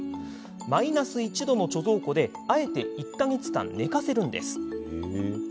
マイナス１度の貯蔵庫であえて１か月間寝かせます。